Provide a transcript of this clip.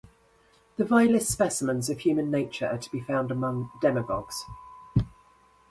The vilest specimens of human nature are to be found among demagogues.